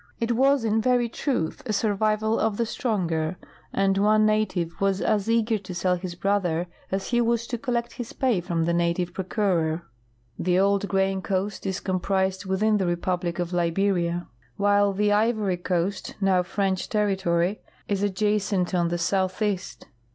It w^as in very truth a survival of the stronger, and one native w^as as eager to sell his brother as he was to collect his pay from tbe native procureur. The old Grain coast is comprised within the Republic of Liberia, while the Ivory coast, now French territory, is adjacent on the southeast.